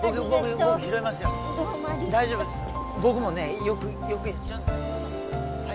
僕もねよくやっちゃうんですはい